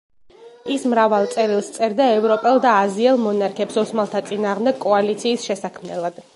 ის მრავალ წერილს სწერდა ევროპელ და აზიელ მონარქებს ოსმალთა წინააღმდეგ კოალიციის შესაქმნელად.